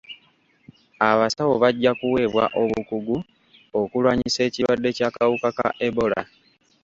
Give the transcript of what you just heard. Abasawo bajja kuweebwa obukugu okulwanyisa ekirwadde ky'akawuka ka ebola.